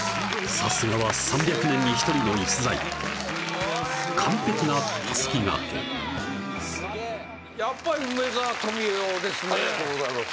さすがは３００年に１人の逸材完璧なたすき掛けやっぱり梅沢富美男ですねありがとうございます